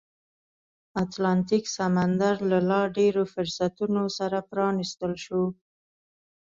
اتلانتیک سمندر له لا ډېرو فرصتونو سره پرانیستل شو.